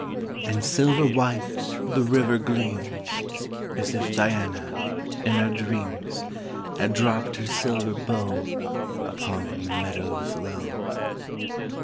5 And silver white the river gleams, As if Diana, in her dreams, • Had dropt her silver bow Upon the meadows low.